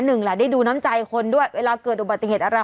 หนึ่งแหละได้ดูน้ำใจคนด้วยเวลาเกิดอุบัติเหตุอะไร